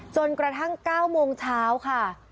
จนกระทั่ง๙โมงเช้าค่ะ